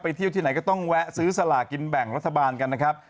เที่ยวที่ไหนก็ต้องแวะซื้อสลากินแบ่งรัฐบาลกันนะครับ